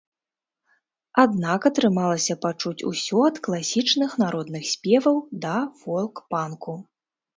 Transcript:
Аднак, атрымалася пачуць усё ад класічных народных спеваў да фолк-панку.